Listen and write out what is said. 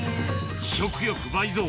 食欲倍増